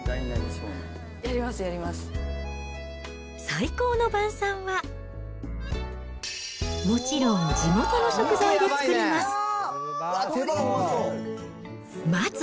最高の晩さんは、もちろん地元の食材で作ります。